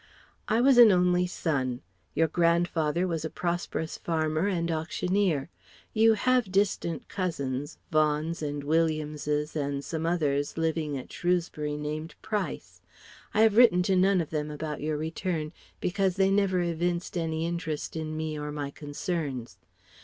I was an only son. Your grandfather was a prosperous farmer and auctioneer. You have distant cousins, Vaughans and Williamses, and some others living at Shrewsbury named Price. I have written to none of them about your return because they never evinced any interest in me or my concerns.